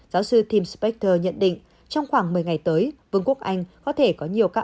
giáo sư tim spactor nhận định trong khoảng một mươi ngày tới vương quốc anh có thể có nhiều các